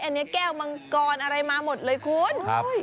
อันนี้แก้วมังกรอะไรมาหมดเลยคุณครับ